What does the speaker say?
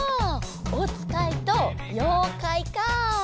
「おつかい」と「ようかい」かぁ。